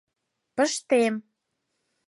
Пыштем...